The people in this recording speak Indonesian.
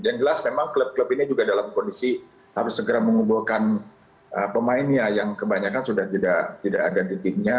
dan jelas memang klub klub ini juga dalam kondisi harus segera mengumpulkan pemainnya yang kebanyakan sudah tidak ada di timnya